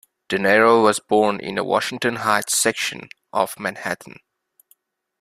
Dinero was born in the Washington Heights section of Manhattan.